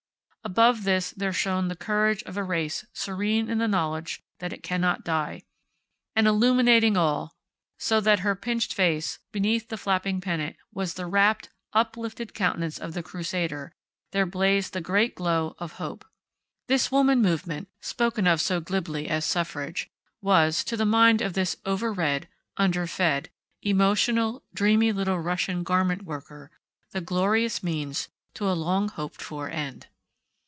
Above this there shone the courage of a race serene in the knowledge that it cannot die. And illuminating all, so that her pinched face, beneath the flapping pennant, was the rapt, uplifted countenance of the Crusader, there blazed the great glow of hope. This woman movement, spoken of so glibly as Suffrage, was, to the mind of this over read, under fed, emotional, dreamy little Russian garment worker the glorious means to a long hoped for end.